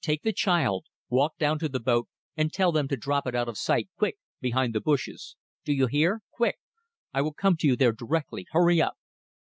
"Take the child. Walk down to the boat and tell them to drop it out of sight, quick, behind the bushes. Do you hear? Quick! I will come to you there directly. Hurry up!"